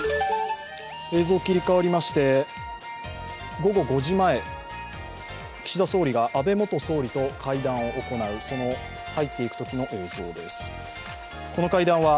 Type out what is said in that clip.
午後５時前、岸田総理が安倍元総理と会談を行うその入っていくときの映像です。